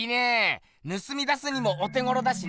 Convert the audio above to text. ぬすみ出すにもお手ごろだしな！